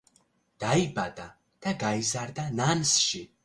დაიბადა და გაიზარდა ნანსში.